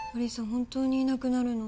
本当にいなくなるの？